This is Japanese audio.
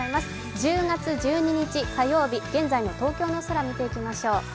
１０月１２日、火曜日、現在の東京の空見ていきましょう。